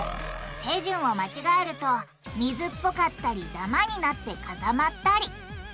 手順を間違えると水っぽかったりダマになって固まったり。